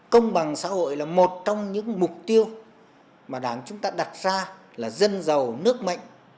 công bằng xã hội là một trong những mục tiêu mà đảng chúng ta đặt ra là dân giàu nước mạnh